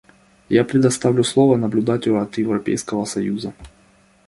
Я предоставлю слово наблюдателю от Европейского союза.